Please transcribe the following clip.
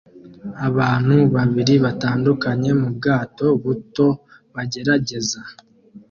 Abantu babiri batandukanye mu bwato buto bagerageza